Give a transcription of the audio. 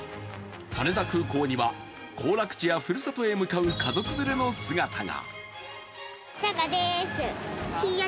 羽田空港には行楽地や故郷へ向かう家族連れの姿が。